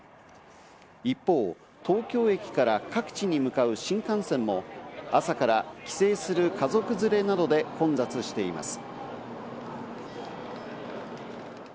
一方、東京駅から各地に向かう新幹線も朝から帰省する家族連れなどで混雑しています。